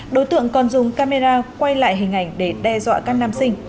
đối tượng còn dùng camera quay lại hình ảnh để đe dọa các nam sinh